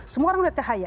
semua orang lihat cahaya